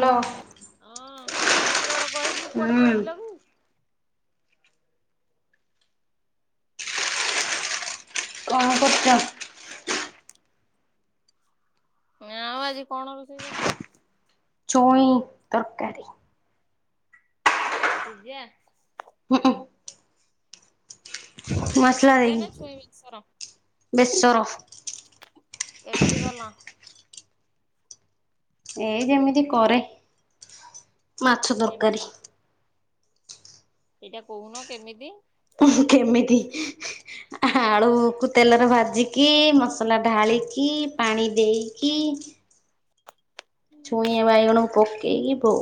Hello. ହଁ କଲ କର କହିକି କୁଆଡେ ହୁଁ ପଳେଇଲକି? [unintelligible] କଣ କରୁଚ? ହଁ ଆଉ ଆଜି କଣ ରୋଷେଇ କରିଛ? ଛୁଇଁ ତରକାରୀ। ସଜଆ [inaudible] ହ [inaudible] ଛୁଇଁ ମସଲା ସିଝା ନା ଦେଇକି ଛୁଇଁ ବେସର ବେଶର। କେମିତି କଲ? ଏଇ ଯେମିତି କରେ ମାଛ ତରକାରୀ। କେମିତି ସେଇଟା କହୁନ କେମିତି? ଉହୁଁ କେମିତି ଆଳୁକୁ ତେଲରେ ଭାଜିକି ମସଲା ଢାଳିକି ପାଣି ଦେଇକି ହୁଁ। ଛୁଇଁ ବାଇଗଣକୁ ପକେଇକି ବଉ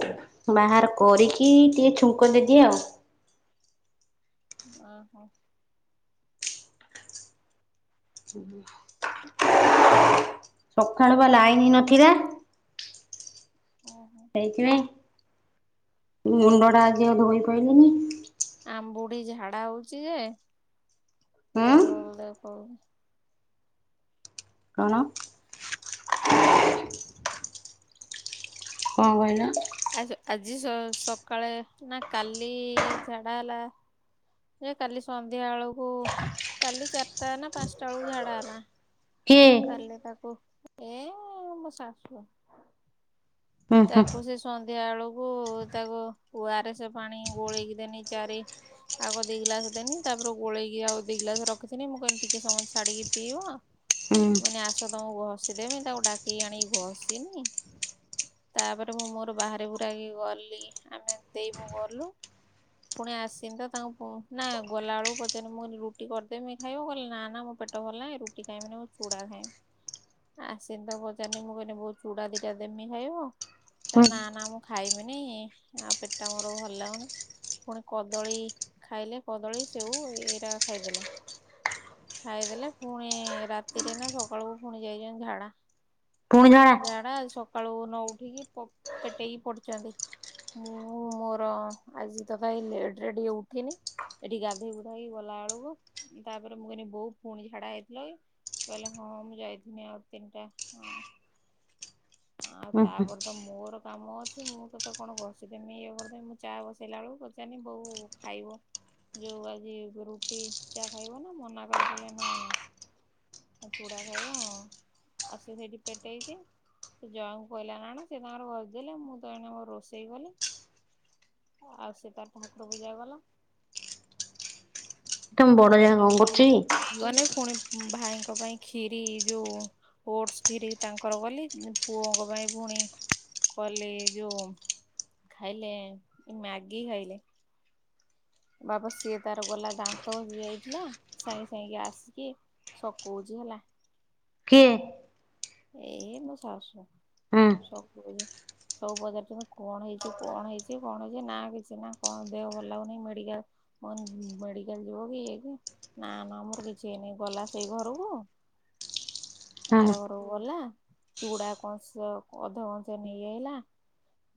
ବାହାର କରିକି ଟିକେ ଛୁଙ୍କ ଦେଦିଏ ଆଉ। ଓହୋ। ସେ [inaudible] ସଖାଳୁ ବା ଲାଇନ୍ ନଥିଲା। ଓହୋ। ହେଇଥିପାଇଁ ମୁଁ ମୁଣ୍ଡଟା ଆଜି ଆଉ ଧୋଇ ପାଇଲିନି। ଆମବୁଢ଼ୀ ଝାଡା ହଉଚି ଯେ ଏ ହୁଁ ରୋଲ ଦେଖଉଛି। କଣ? କଣ କହିଲ? ଆ ଆଜି ସକାଳେ ନା କାଲି ଝାଡା ହେଲା ଜେ କାଲି ସନ୍ଧ୍ୟା ଏଳକୁ କାଲି ଚାରଟା ନା ପାଞ୍ଚଟାଆଳୁକୁ ଝାଡା ହେଲା। କିଏ? ତାଲେ ତାକୁ ଏ ମୋ ଶାଶୁ। ଉୁଁ ହୁଁ ତାକୁ ସେ ସନ୍ଧ୍ୟା ଏଳକୁ ତାକୁ ଓଆରଏସ ପାଣି ଗୋଳେଇକି ଦେନି ଚାରି ଆଗ ଦି ଗ୍ଲାସ ଦେନି ତାପରେ ଗୋଳେଇକି ଆଉ ଦି ଗ୍ଲାସ ରଖିଥିନି ମୁଁ କହିଲି ଟିକେ ସମୟ ଛାଡିକି ପିଇବ ହୁଁ ମାନେ ଆସ ତମକୁ ଘଷିଦମି ତାକୁ ଡାକିକି ଆଣିକି ଘଷିନି ତାପରେ ମୁଁ ମୋର ବାହାରେ ପୁରା କି ଗଲି ଆମେ ଦେଇ ମୁୁ ଗଲୁ ପୁଣି ଆସିନି ତ ତାଙ୍କୁ ନା ଗଲାବେଳକୁ ପଚାରିଲି ମୁଁ ରୁଟି କରିଦେମି ଖାଇବ କହିଲି ନା ନା ମୋ ପେଟ ଭଲ ନାଇଁ ରୁଟି ଖାଇବିନି ମୁ ଚୁଡା ଖାଏ ଆସି ତ ପଚାରିଲି ମୁଁ କହିଲି ବହୁତ ଚୁଡା ଦିଟା ଦେମି ଖାଇବ ହୁଁ ନା ନା ମୁଁ ଖାଇମିନି ଆଉ ପେଟ ଟା ମୋର ଭଲ ଲାଗୁନି ପୁଣି କଦଳୀ ଖାଇଲେ କଦଳୀ ସେଉ ଏଇଟା ଖାଇଦେଲେ ଖାଇଦେଲେ ପୁଣି ରାତିରେ ନା ସକାଳକୁ ପୁଣି ଯାଇଛନ୍ତି ଝାଡା ପୁଣି ଝାଡ଼ା ଜାଡା ସକାଳୁ ନ ଉଠିକି ପେଟେଇକି ପଡ଼ିଛନ୍ତି ମୁଁ ମୋର ଆଜି ତ ଭାଇ ଲେଟ ରେ ଉଠିନି ଏଠି ଗାଧେଇ ବୁଧେଇକି ଗଲା ବେଳକୁ ତାପରେ ମୁଁ କହିଲି ବୋତ ପୁଣି ଝାଡା ହେଇଥିଲ କି କହିଲେ ହଁ ମୁଁ ଯାଇଥିନି ଆଉ ତିନିଟା ହଁ ଆଉ ଉଁ ହୁଁ ତାପରେ ତ ମୋର କାମ ଅଛି ମୁଁ କେ ତ କଣ ବସି ତମେ ଇଏ କରିଦେମୀ ମୁଁ ଚା ବସେଇଲା ବେଳକୁ ପଚାରନି ବୋଉ ଖାଇବ ଯୋଉ ଆଜି ରୁଟି ଚା ଖାଇବ ନା ମନା କଲେ କହିଲେ ନା ନା ହ ଚୁଡ଼ା ଖାଇବ ଆଉ ସେ ସେଇଠି ପେଟେଇଚି। ଜୟଙ୍କୁ କହିଲା ନା ଆଣ ସେ ତାଙ୍କର ଭଦେଲେ ମୁଁ ତଣେ ମୋର ରୋଷେଇ କଲି। ଆଉ ସେ ତାର ଠାକୁର ପୂଜା କଲା। ଏଟ ମୁଁ ବଡ ଜାଗା କଣ କରୁଛି। ହେଇଗନେ ପୁଣି ଭାଇଙ୍କ ପାଇଁ ଖିରି ଯୋଉ ଓଟସ ଫିରିି ତାଙ୍କର କଲି ପୁଅଙ୍କ ପାଇଁ ପୁଣି କଲି ଯୋଉ ଖାଇଲେ ମ୍ୟାଗି ଖାଇଲେ ବାପ ସିଏ ତାର ଗଲା ଦାନ୍ତ ହେଇଯାଇଥିଲା ସାଙ୍ଗେ ସାଙ୍ଗ ଆସିକି ଶକଉଛି ହେଲା କିଏ? ଏଇ ମୁଁ ସସୁ ହୁଁ ସବୁ ସବୁ ପଜାର କଣ ହେଇଛି କଣ ହେଇଛି କଣ ହେଇଛି ନା କିଛି ନା କଣ ଦେହ ଭଲ ଲାଗୁନି ମେଡିକାଲ ଅନ୍ଦ ମେଡ଼ିଗାଲ ଯିବକି ଇଏ କି? ନା ନ ମୋର କିଛି ହେଇନି ଗଲା ସେଇ ଘରକୁ ହୁଁ ଆର ଆଉ ଗଲା ଚୁଡା କଣସ ଅଧ କଂସ ନେଇଯାଇଲା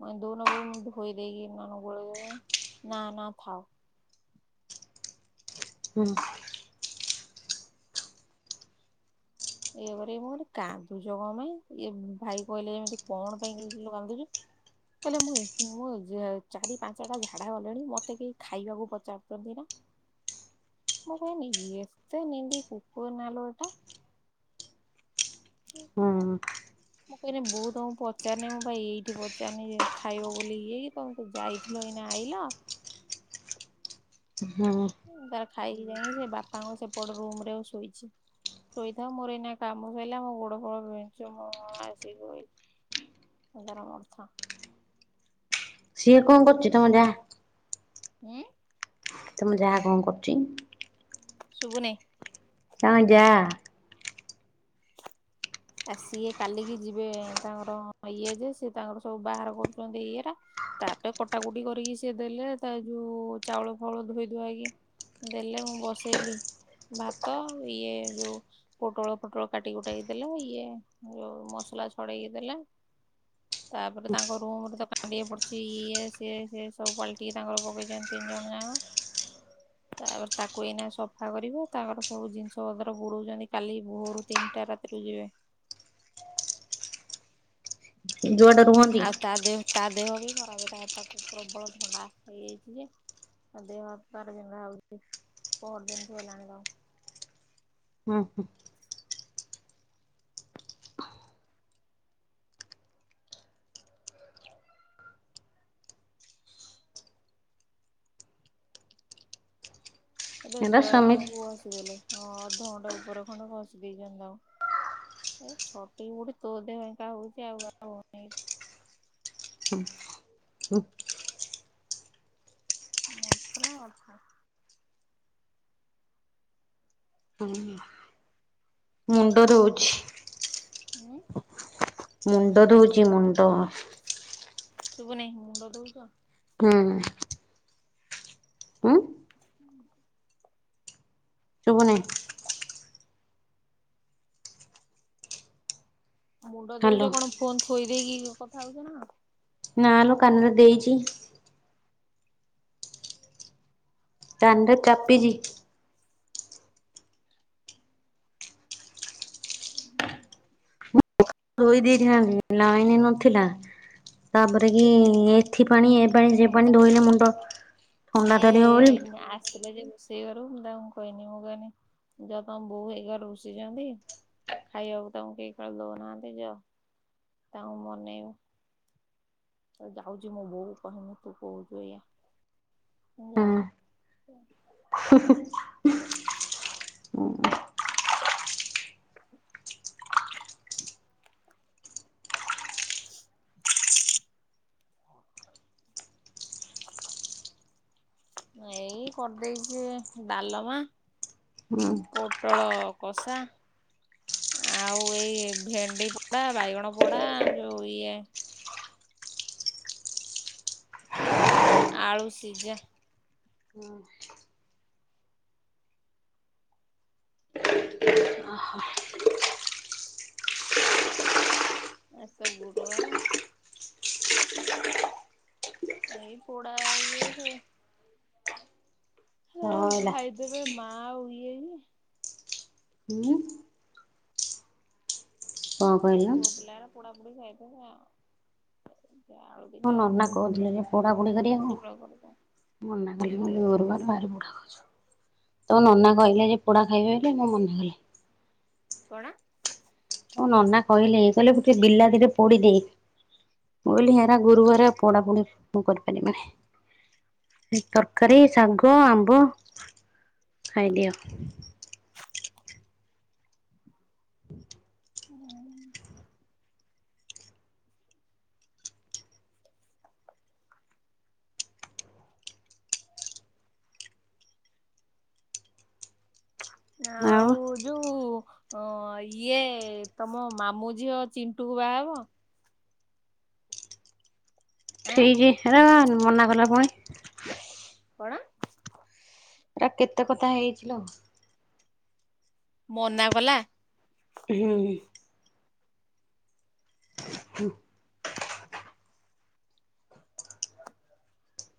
ମ ଦଉ ନ ବଉ ମୁ ଧୋଇ ଦେଇକି ନ ଗୋଳେଇ ନା ନା ଥାଉ ହୁଁ ଏଇଏ ଘ ମୁଁ କହିଲେ କାନ୍ଦୁଛ କଣ ପାଇଁ ଇଏ ଭାଇ କହିଲେ ଯେମିତି କଣ ପାଇଁ କିୁଥିଲୁ କାନ୍ଦୁଛୁ କହିଲେ ମୁଁ ମୁ ଚାରି ପାଞ୍ଚଟା ଝାଡା ଗଲେଣି ମତେ କେହି ଖାଇବାକୁ ପଚାରୁଛନ୍ତି ନା ମୁ କହିନି ଇଏତେ ନିନ୍ଦି କପ ନା ଲି ଏଟା ହୁଁ ମୁଁ କହିଲି ବହୁତ ତମକୁ ପଚାରନି ମୁଁ ଭାଇ ଏଇଠି ପଚାରନି ଖାଇବ ବୋଲି ଇ ହେଇକି ତମେ ଯାଇ ଲ ଏଇନା ଆଇଲ ହଁ ତାର ଖାଇକି ଯାଇକି ସେ ବାପାଙ୍କ ସେପଟ ରୁମ ରେ ଶୋଇଛି ଶୋଇଥା ମୋର ଏଇନା କାମ ସରିଲା ମୋ ଗୋଡ ବୋଡ ବି ମୁ ଆସି ସେ ତାର ମାରୁଥ ସିଏ କଣ କରୁଛି ତମ ଯାହା ଉଁ। ତମ ଯାଆ କଣ କରୁଛି? ସୁଭୁନେ। ତମ ଜା। ଆସଇଏ କାଲିକି ଯିବେ ତାଙ୍କର ଇଏ ଯେ ସି ତାଙ୍କର ସବୁ ବାହାର କରୁଛନ୍ତି ଇଏ ଟା। ତାପରେ କଟା କଟି କରିକି ସିଏ ଦେଲେ ତା ଯୋଉ ଚାଉଳ ଫଉଳ ଧୋଇ ଧାଇକି। ଦେଲେ ମୁଁ ବସେଇଲି। ଭାତ ଇଏ ଯୋଉ ପୋଟଳ ଫୋଟଳ କାଟି କୁଟେଇକି ଦେଲେ ଇ ଇଏ ଯୋଉ ମସଲା ଛଡେଇକି ଦେଲେ। ତା ପରେ ତାଙ୍କ ରୁମ୍ ରେ ତ ପାଣି ଟିକେ ପଡୁଛି ଇଏ ସିଏ ସିଏ ସବୁ ପାଣି ସବୁ ପକେଇଛନ୍ତି ତିନି ଜଣ ଯାକ। [inaudible] ତାପରେ ତାକୁ ଏଇନା ସଫା କରିବୁ ତାଙ୍କର ସବୁ ଜିନିଷ ପତ୍ର ବୁଡଉଛନ୍ତି କାଲି ଭୋରୁ ତିନି ଟା ରାତିରୁ ଯିବେ। ଯୁଆଡେ ରୁହନ୍ତି ଆଉ ତା ଦେହ ତା ଦେହ ବି ଖରାପ ହେଲା ତାକୁ ପ୍ରବଳ ଥଣ୍ଡା ହେଇଯାଇଛି ଯେ। ଦେହ ହାତ ତାର ବିନ୍ଧା ହଉଛି ପହର ଦିନ ଠୁ ହେଲାଣି ହୁଁ ହୁଁ। ଏ ତ ଏରା ଜୟ ସେମିତି ତାଙ୍କୁ ବସିଦେଲେ ହଁ ଅଧଘଣ୍ଟା ଉପର ଖଣ୍ଡ ଘସି ଦେଇେଇଛନ୍ତି ଆଉ। ଏଇ ଛଟେଇ ବୁଢି ତୋ ଦେହ ଏକା ହଉଛି ଆଉ ଆଉ ହ। ହୁଁ। ମରୁଛି ନା କଣ। ହୁଁ। ମୁଣ୍ଡ ଧୋଉଛି। ହୁଁ। ମୁଣ୍ଡ ଧୋଉଛି ମୁଣ୍ଡ। ଶୁଭୁନି ମୁଣ୍ଡ ଧୋଉଛୁ? ହୁଁ। ହୁଁ ହୁଁ। ଶୁଭୁନି। ମୁଣ୍ଡ ଧୋଉଛ ହାଲୋ କଣ ଫୋନ୍ ଥୋଇ ଦେଇକି କଥା ହଉଛ ନା କଣ। ନା ଲୋ କାନରେ ଦେଇଛି। କାନ ରେ ଚାପିଛି। ହୁଁ। ଶୋଇ ଦେଇଥିଲ ଲାଇନ ନଥିଲା ତାପରେ କି ଏଥି ପାଇଁ ସେ ପାଣି ଏ କଣ ପାଣି ତ ଧୋଇଲେ ମୁଣ୍ଡ ଥଣ୍ଡା ଧରିବ ବୋଲି ଥିଲେ ଯେ ରୋଷେଇ ଘରୁ ମୁଁ ତାଙ୍କୁ କହନି ମୁଁ କହନି ଯ ତମ ବୋଉ ଏଇ ଘରୁ ଋଷିଛନ୍ତି। ଖାଇବାକୁ ତାଙ୍କୁ କେହି ଦଉନାହାନ୍ତି ଯାଅ ତାଙ୍କୁ ମନେଇବ। ତ ଯାଉଛି ମୁଁ ବୋଉ କୁ କହିବି ତୋ ବୋହୂ କହୁଛି ଏଇଆ ମୁଁ କହିଲି ଯାଅ। ହୁଁ ହୁଁ। [inaudible] [inaudible] ଏଇ କରିଦେଇଛି ଡାଲମା। ପୋଟଳ କଷା। ଆଉ ଏଇ ଭେଣ୍ଡି ପୋଡା ବାଇଗଣ ପୋଡା ଯୋଉ ଇଏ। ଆଳୁ ସିଜା ହଁ [unintelligible] ଓ ହ ଆଜି ତ ଗୁରୁବାରେ ଏଇ ପୋଡ଼ା ଇଏ ସେ ହ ସଇଲା ଖାଇଦେବେ ମା ଆଉ ଇଏ ହୁଁ ଆ କଣ କହିଲ ପୁଅ ପିିଲାରା ପୋଡ଼ା, ପୋଡ଼ି ଖାଇ ଦେବେ ଆଉ ଏ ଆଳ ମୋ ନନା କହୁଥିଲେ ଯେ ପୋଡ଼ା, ପୋଡ଼ି କରିବାକୁ ଆଜି ଗୁରୁବାର ଭରି ପୋଡ଼ା ଖାଉଚ, ତୋ ନନା କହିଲେ ଯେ ପୋଡା ଖାଇବେ ବୋଲି ମୁଁ ମନା କଲି। କଣ ତୋ ନନା କହିଲେ କହିଲେ ଗୋଟେ ବିଲାତିିଟେ ପୋଡି ଦେଏ। ମୁଁ କହିଲି ହେରା ଗୁରୁ ବାର ପଢା ପଢି ମୁ କରିପାରିବି ନେଇ। ତରକାରୀ, ଶାଗ, ଆମ୍ବ, ଖାଇଦିଅ। ଆଉ ନାଉଦ୍ ଯୋଉ ଅ ଇଏ ତମ ମାମୁ ଝିଅ ଚିଣ୍ଟୁ କୁ ବାହା ହବ? ଆଁ ଠିକି ହେରାପା ମନା କଲା ପୁଣି। କଣ ତା କେତେ କଥା ହେଇଚିଲୋ। ମନା ବଲା ହଁ ହଁ ହୁଁ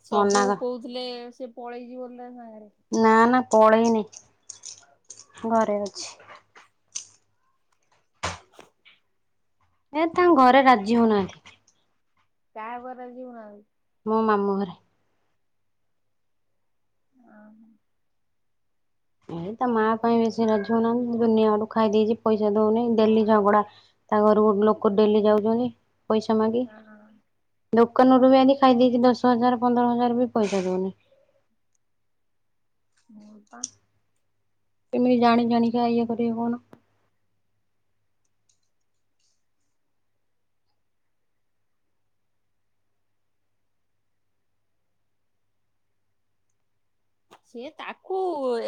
ସବୁ ମନା କର କହୁଥିଲେ ସେ ପଳେଇ ଜିବ ବୋଲି ତା ସାଙ୍ଗରେ। ନା, ନା ପଳେଇନି ଘରେ ଅଛି। ଏ ତାଙ୍କ ଘରେ ରାଜି ହଉନାହାନ୍ତି। କାହା ଘରେ ରାଜି ହୋଉ ନଥାନ୍ତି। ମୋ ମାମୁଁ ଘରେ। ହଁ [unintelligible] ଏଇ ତା ମା ପାଇଁ ବେଶୀ ରାଜି ହଉନାହାନ୍ତି, ଦୁନିଆଡୁ ଖାଇ ଦେଇଚି ପଇସା ଦଉନି ଡେଲି ଝଗଡା। ତା ଘରକୁ ଲୋକ ଡେଲି ଯାଉ ଜୋନି ପଇସା ମାଗି, ଦୋକାନରୁୁ ବି ଆଜି ଖାଇ ଦେଇଚି ଦଶ ହଜାର ପନ୍ଦର ହଜାର ବି ପଇସା ଦୋଉନି। ହଁ ବା କେମିତି ଜାଣି ଜାଣିକି ଇଏ କରିବି କହୁନ। ସିଏ ତାକୁ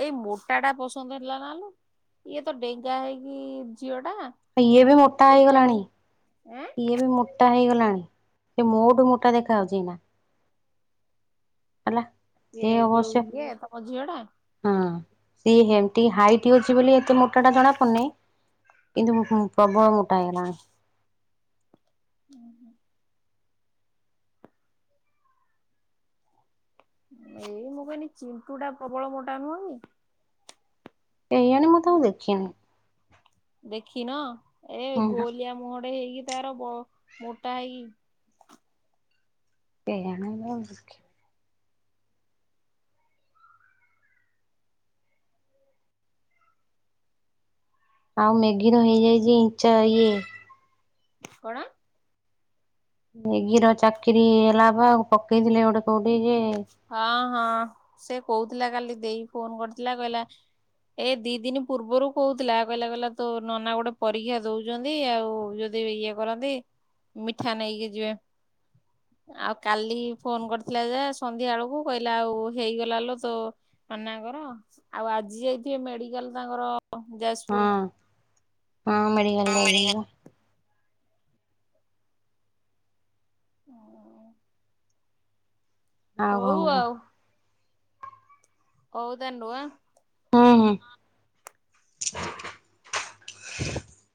ଏଇ ମୋଟା ଟା ପସନ୍ଦ ହେଲା ନାଲୋ! ଇଏ ତ ଡେଙ୍ଗା ହେଇକି ଝିଅ ଟା। ଇଏ ବି ମୋଟା ଦେଖିଲା ହେଇଗଲାଣି ବେଳକୁ ଏଁ ଇଏ ବି ମୋ ମୋଟା ହେଇଗଲାଣି। ସେ ମୋଠୁ ମୋଟା ଦେଖା ହଉଛି ନା। ହେଲା [unintelligible] ଇଏ ଯୋଉ ଅବଶ୍ୟ ଇଏ ତମ ଝିଅ ଟା। ହଁ ସିଏ ଯେମତି ହାଇଟ ଅଛି ବୋଲି ଏତେ ମୋଟା ଟା ଜଣା ପଡୁନି। କିନ୍ତୁ ହୁଁ ପ୍ରବଳ ମୋଟା ହେଇଲାଣି। ହୁଁ ହୁଁ ଏଇ ମୁଁ କହିଲି ଚିଣ୍ଟୁ ଟା ପ୍ରବଳ ମୋଟା ନୁହଁ କି? କେଇଆଣି ମୁଁ ତାଙ୍କୁ ଦେଖିନି। ଦେଖିନ ଏ ହୁଁ ଗୋଲିଆ ମୁହଁ ଟେ ହେଇକି ତାର ମୋଟା ହେଇକି। କେଜଣି [unintelligible] ଆଉ ମ୍ୟାଗିର ହେଇଯାଇଛି ଇଞ୍ଚ ଇଏ କଣ? ମେଗିର ଚାକିରି ହେଇଲା ବା ପକେଇଥିଲେ ଗୋଟେ କୋଉଠି ଯେ, ହଁ, ହଁ ସେ କହୁଥିଲା କାଲି ଦେଇ ଫୋନ କରିଥିଲା କହିଲା ଏ ଦି ଦିନ ପୂର୍ବରୁ କହୁଥିଲା କହିଲା କହିଲା ତୋ ନନା ଗୋଟେ ପରୀକ୍ଷା ଦଉଛନ୍ତି ଆଉ ଯଦି ଯଦି ଇଏ କରନ୍ତି ମିଠା ନେଇକି ଯିବା। ଆଉ କାଲି ଫୋନ କରିଥିଲା ଯା ସନ୍ଧ୍ୟା ବେଳକୁ କହିଲା ଆଉ ହେଇଗଲା ଲୋ ତ ନନାଙ୍କର। ଆଉ ଆଜି ଯାଇଥିବେ ମେଡିକାଲ ତାଙ୍କର ହଁ ଯାଜପୁର ହଁ ମେଡିକାଲ ଯାଇଛନ୍ତି ବା। ହ ଆଉ କଣ ହଉ କୁହ ଆଉ। କହୁଦେନୁ ଆଁ। ହୁଁ, ହୁଁ।